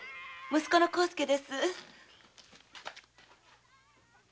息子の幸助です。